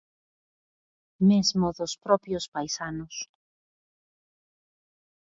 Mesmo dos propios paisanos.